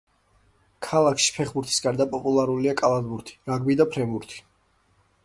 ქალაქში ფეხბურთის გარდა პოპულარულია კალათბურთი, რაგბი და ფრენბურთი.